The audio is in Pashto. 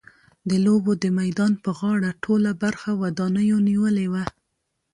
د لوبو د میدان پر غاړه ټوله برخه ودانیو نیولې وه.